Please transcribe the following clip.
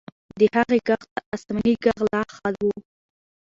د هغې ږغ تر آسماني ږغ لا ښه و.